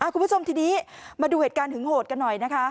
ผู้ชมทีนี้มาดูเหตุการณ์ถึงโหดกันหน่อย